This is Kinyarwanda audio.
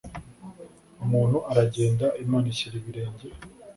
umuntu aragenda, imana ishyira ibirenge